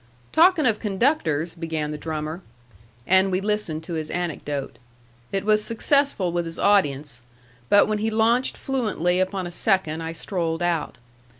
"Talking of conductors," began the drummer. And we listened to his anecdote. It was successful with his audience; but when he launched fluently upon a second I strolled out.